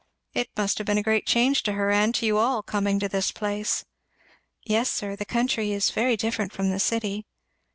"It must have been a great change to her and to you all coming to this place." "Yes, sir; the country is very different from the city."